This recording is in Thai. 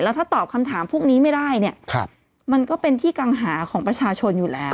ถ้าตอบคำถามพวกนี้ไม่ได้เนี่ยมันก็เป็นที่กังหาของประชาชนอยู่แล้ว